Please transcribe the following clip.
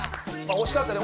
惜しかったね。